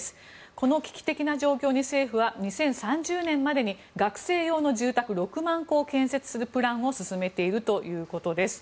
この危機的な状況に政府は２０３０年までに学生用の住宅６万戸を建設するプランを進めているということです。